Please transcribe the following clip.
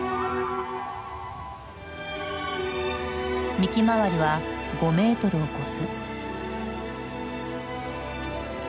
幹周りは５メートルを超す。